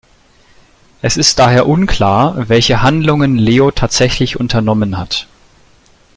Es ist daher unklar, welche Handlungen Leo tatsächlich unternommen hat.